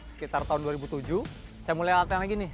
sekitar tahun dua ribu tujuh saya mulai alatnya lagi nih